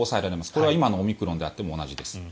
これは今のオミクロンであっても同じです。